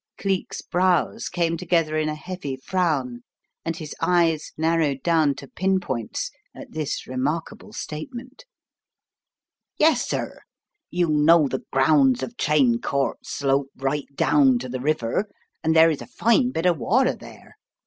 Cleek's brows came together in a heavy frown and his eyes narrowed down to pin points at this remarkable statement. In the Dark 3$ i "Yes, sir, you know the grounds of Cheyne Court slope right down to the river, and there is a fine bit of water there.